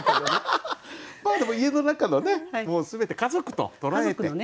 まあでも家の中のね全て家族と捉えて。